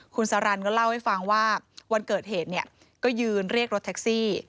คุณสารันก็เล่าให้ฟังว่าวันเกิดเหตุเนี่ยก็ยืนเรียกรถแท็กซี่